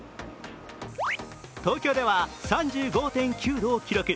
東京では３５．９度を記録。